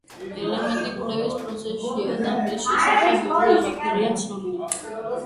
ელემენტი კვლევის პროცესშია და მის შესახებ ბევრი არაფერია ცნობილი.